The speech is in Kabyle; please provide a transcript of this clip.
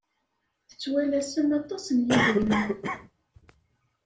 Tettwalasem aṭas n yidrimen.